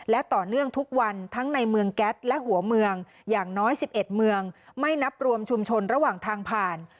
และต่อเนื่องทุกวันทั้งในเมืองแก๊สและหัวเมืองอย่างน้อย๑๑เมืองไม่นับรวมชุมชนระหว่างทางผ่าน